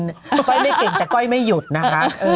ก้อยไม่เก่งแต่ก้อยไม่หยุดนะคะ